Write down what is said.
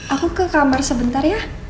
aku ke kamar sebentar ya